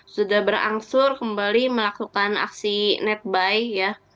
sudah berangsur kembali melakukan aksi netbuy ya